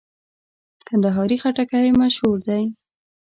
کندهاري خټکی مشهور دی.